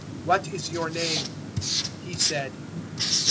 "What is your name?" He said.